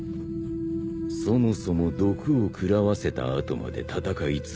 そもそも毒を食らわせた後まで戦い続けず。